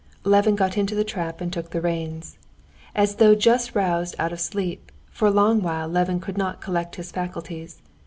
Levin got into the trap and took the reins. As though just roused out of sleep, for a long while Levin could not collect his faculties.